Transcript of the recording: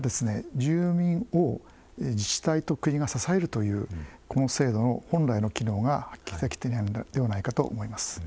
住民を自治体と国が支えるというこの制度の本来の機能が発揮できていないのではないかと思います。